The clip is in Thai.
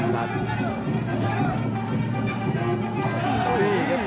สัตว์